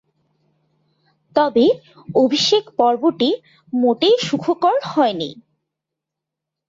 তবে, অভিষেক পর্বটি মোটেই সুখকর হয়নি।